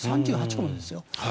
３８個もですよ。